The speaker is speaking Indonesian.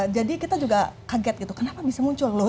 jadi kita juga kaget gitu kenapa bisa muncul loh